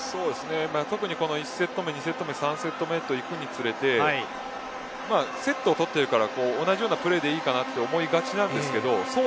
この１セット目、２セット目３セット目といくにつれて常にセットを取っているから同じようなプレーでいいかなと思いがちですがそう